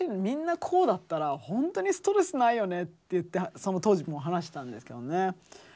みんなこうだったらほんとにストレスないよねって言ってその当時も話してたんですけどね。